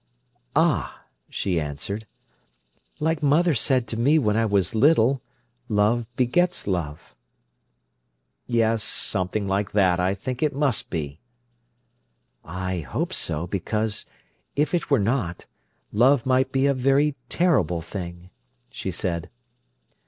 "Ah!" she answered. "Like mother said to me when I was little, 'Love begets love.'" "Yes, something like that, I think it must be." "I hope so, because, if it were not, love might be a very terrible thing," she said.